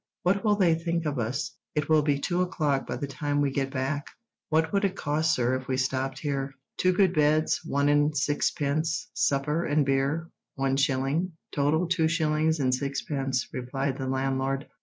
What will they think of us? It will be two o'clock by the time we get back. What would it cost, sir, if we stopped here?" "Two good beds, one and sixpence; supper and beer, one shilling; total, two shillings and sixpence," replied the landlord.